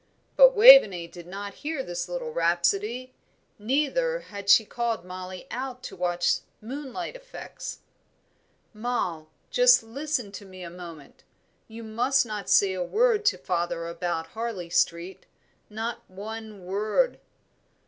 But Waveney did not hear this little rhapsody, neither had she called Mollie out to watch moonlight effects. "Moll, just listen to me a moment: you must not say a word to father about Harley Street not one word."